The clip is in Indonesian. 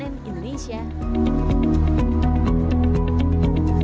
jangan lupa like share dan subscribe channel ini